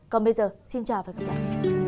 còn bây giờ xin chào và hẹn gặp lại